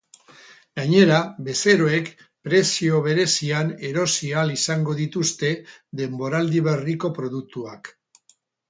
Gainera, bezeroek prezio berezian erosi ahal izango dituzte denboraldi berriko produktuak.